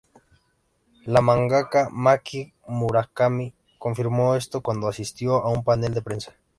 La mangaka Maki Murakami confirmó esto cuando asistió a un panel de prensa.